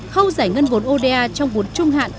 khâu giải ngân vốn oda trong vốn trung hạn